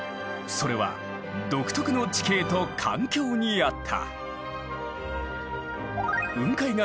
それは独特の地形と環境にあった。